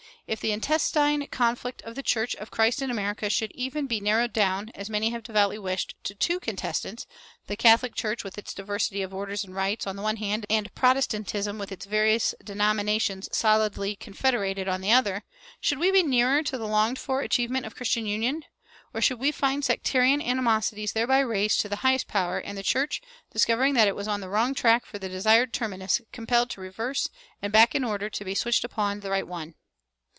If the intestine conflict of the church of Christ in America should even be narrowed down (as many have devoutly wished) to two contestants, the Catholic Church with its diversity of orders and rites, on the one hand, and Protestantism with its various denominations solidly confederated, on the other, should we be nearer to the longed for achievement of Christian union? or should we find sectarian animosities thereby raised to the highest power, and the church, discovering that it was on the wrong track for the desired terminus, compelled to reverse and back in order to be switched upon the right one?